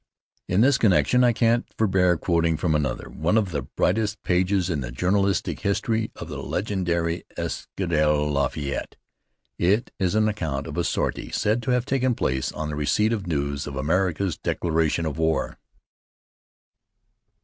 In this connection I can't forbear quoting from another, one of the brightest pages in the journalistic history of the legendary Escadrille Lafayette. It is an account of a sortie said to have taken place on the receipt of news of America's declaration of war.